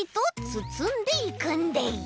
つつんでいくんでい！